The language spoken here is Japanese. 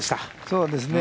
そうですね。